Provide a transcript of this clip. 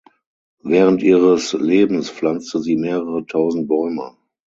Während ihres Lebens pflanzte sie mehrere tausend Bäume.